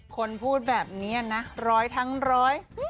คนพูดแบบนี้นะร้อยทั้งร้อย